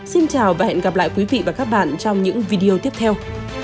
xin chào và hẹn gặp lại quý vị và các bạn trong những video tiếp theo